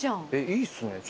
いいっすね。